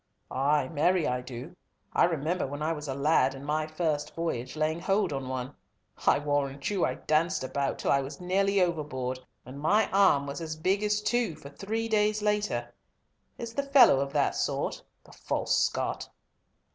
"Ay, marry I do. I remember when I was a lad, in my first voyage, laying hold on one. I warrant you I danced about till I was nearly overboard, and my arm was as big as two for three days later. Is the fellow of that sort? The false Scot."